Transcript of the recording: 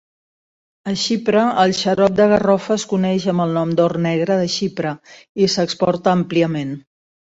A Xipre, el xarop de garrofa es coneix amb el nom d'or negre de Xipre i s'exporta àmpliament.